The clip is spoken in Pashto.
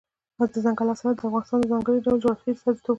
دځنګل حاصلات د افغانستان د ځانګړي ډول جغرافیې استازیتوب کوي.